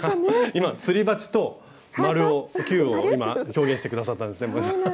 今すり鉢と球を今表現して下さったんですね